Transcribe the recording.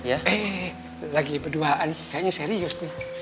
eh lagi berduaan kayaknya serius nih